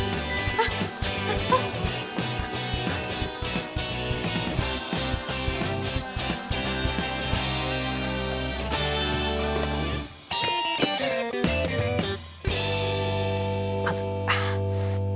あっあっまずっ